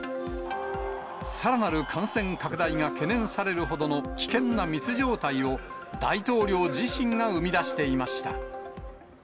さらなる感染拡大が懸念されるほどの危険な密状態を、大統領自身が生み出していました。